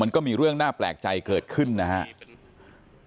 มันก็มีเรื่องน่าแปลกใจเกิดขึ้นนะครับ